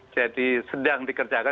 jadi sedang dikerjakan